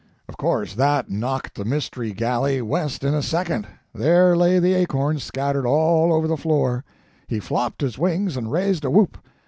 Of course, that knocked the mystery galley west in a second. There lay the acorns, scattered all over the floor.. He flopped his wings and raised a whoop.